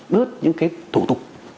bớt những cái thủ tục